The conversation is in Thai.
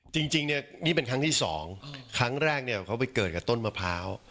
จริงเนี่ยนี่เป็นครั้งที่สองครั้งแรกเนี่ยเขาไปเกิดกับต้นมะพร้าว